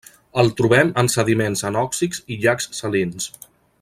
El trobem en sediments anòxics i llacs salins.